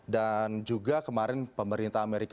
dan juga kemarin pemerintah amerika